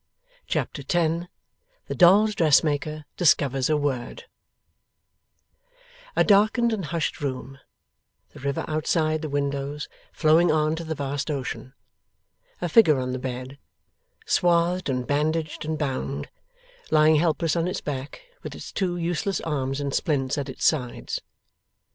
Chapter 10 THE DOLLS' DRESSMAKER DISCOVERS A WORD A darkened and hushed room; the river outside the windows flowing on to the vast ocean; a figure on the bed, swathed and bandaged and bound, lying helpless on its back, with its two useless arms in splints at its sides.